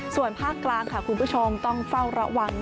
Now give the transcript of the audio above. ส่วนภาคกลางค่ะคุณผู้ชมต้องเฝ้าระวัง